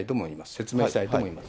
説明したいと思います。